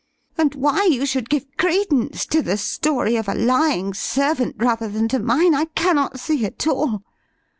And why you should give credence to the story of a lying servant, rather than to mine, I cannot see at all.